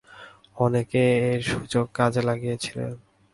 অনেকে এই সুযোগ কাজে লাগাইয়াছিলেন।